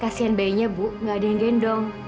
kasian bayinya bu gak ada yang gendong